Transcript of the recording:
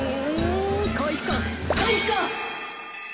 かいか！